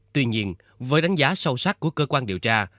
tuy nhiên với đánh giá sâu sắc của cơ quan điều tra